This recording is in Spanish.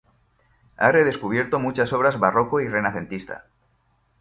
Ha redescubierto muchas obras barroco y renacentista.